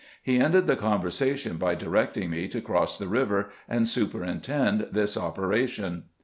He ended the conversation by directing me to cross the river and superintend this operation.